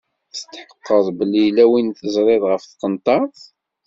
Tetḥeqqeḍ belli yella win i teẓriḍ ɣef tqenṭert?